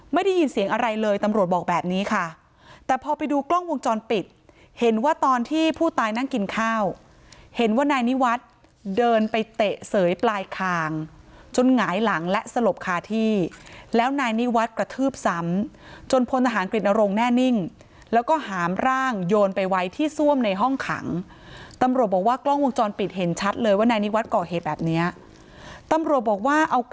ไม่ได้ยินเสียงอะไรเลยตำรวจบอกแบบนี้ค่ะแต่พอไปดูกล้องวงจรปิดเห็นว่าตอนที่ผู้ตายนั่งกินข้าวเห็นว่านายนิวัตรเดินไปเตะเสยปลายคางจนหงายหลังและสลบคาที่แล้วนายนิวัตรกระทืบซ้ำจนพลฐานกลิ่นอารมณ์แน่นิ่งแล้วก็หามร่างโยนไปไว้ที่ซ่วมในห้องขังตำรวจบอกว่ากล้องวงจรปิดเห็นชัดเลยว่